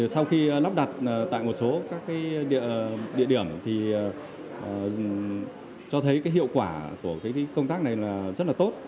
sau khi lắp đặt tại một số các địa điểm cho thấy hiệu quả của công tác này rất tốt